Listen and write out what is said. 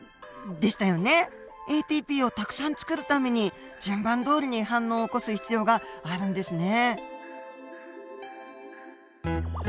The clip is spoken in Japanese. ＡＴＰをたくさんつくるために順番どおりに反応を起こす必要があるんですね。